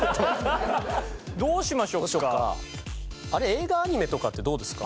映画・アニメとかってどうですか？